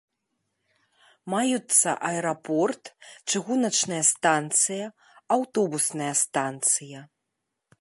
Маюцца аэрапорт, чыгуначная станцыя, аўтобусная станцыя.